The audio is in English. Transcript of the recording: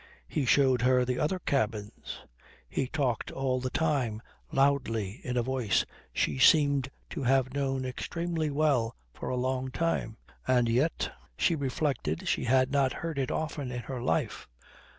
He showed her the other cabins. He talked all the time loudly in a voice she seemed to have known extremely well for a long time; and yet, she reflected, she had not heard it often in her life.